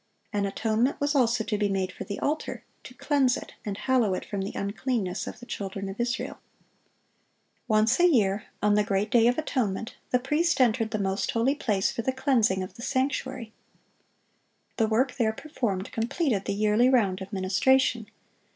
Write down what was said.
An atonement was also to be made for the altar, to "cleanse it, and hallow it from the uncleanness of the children of Israel."(690) Once a year, on the great day of atonement, the priest entered the most holy place for the cleansing of the sanctuary. The work there performed completed the yearly round of ministration.